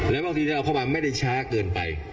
แล้วบางทีที่เราเข้ามาไม่ได้ช้าเกินไป